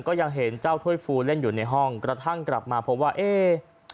ก็ยังเห็นเจ้าถ้วยฟูเล่นอยู่ในห้องกระทั่งกลับมาพบว่าเอ๊